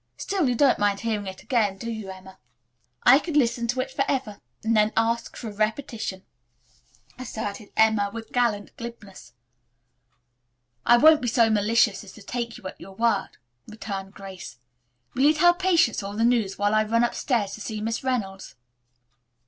Still, you don't mind hearing it again, do you, Emma?" "I could listen to it forever, and then ask for a repetition," asserted Emma with gallant glibness. "I won't be so malicious as to take you at your word," returned Grace. "Will you tell Patience all the news while I run upstairs to see Miss Reynolds?"